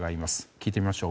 聞いてみましょう。